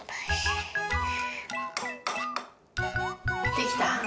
できた？